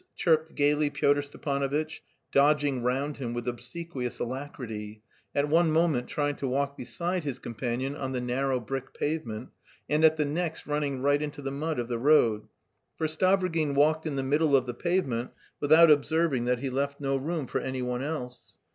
chirped gaily Pyotr Stepanovitch, dodging round him with obsequious alacrity, at one moment trying to walk beside his companion on the narrow brick pavement and at the next running right into the mud of the road; for Stavrogin walked in the middle of the pavement without observing that he left no room for anyone else.